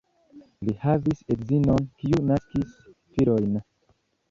Li havis edzinon, kiu naskis filojn.